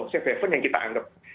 safe haven yang kita anggap